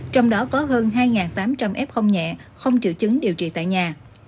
trong đó có hơn hai tám trăm linh f nhẹ không chịu chứng điều trị tại nhà